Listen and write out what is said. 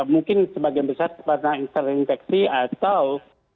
mungkin sebagian besar pernah terinfeksi atau